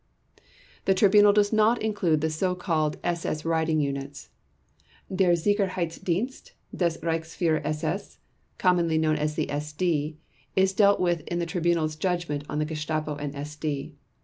The Tribunal does not include the so called SS riding units. Der Sicherheitsdienst des Reichsführer SS (commonly known as the SD) is dealt with in the Tribunal's Judgment on the Gestapo and SD.